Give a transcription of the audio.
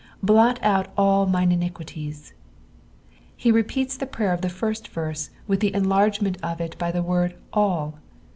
''Blot out all tains inigiiUieM." He repeats the prayer of the first verse with the enlargement of it by the word "all."